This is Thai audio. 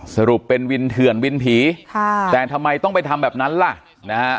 สรุปเป็นวินเถื่อนวินผีค่ะแต่ทำไมต้องไปทำแบบนั้นล่ะนะฮะ